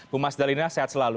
bu mas dalina sehat selalu